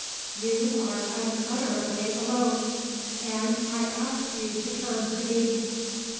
You are unutterably alone. And I ask you to turn to me."